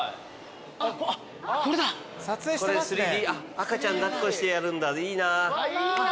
赤ちゃん抱っこしてやるんだいいな。いいな。